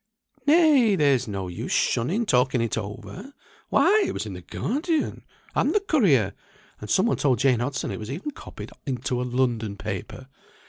"Nay! there's no use shunning talking it over. Why! it was in the Guardian, and the Courier, and some one told Jane Hodson it was even copied into a London paper.